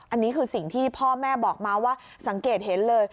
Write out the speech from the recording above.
อันนี้คือสิ่งที่พ่อแม่บอกมาว่าสังเกตเห็นเลย